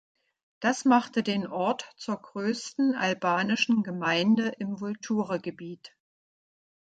Das machte den Ort zur größten albanischen Gemeinde im Vulture-Gebiet.